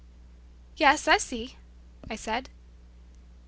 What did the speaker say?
"Yes, I see," I said.